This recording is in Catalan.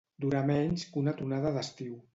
Durar menys que una tronada d'estiu.